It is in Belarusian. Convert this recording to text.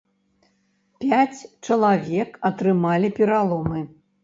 Пяць чалавек атрымалі пераломы.